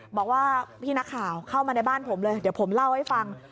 บอกว่าพี่นักข่าวเข้ามาในบ้านผมเลยเดี๋ยวผมเล่าให้ฟัง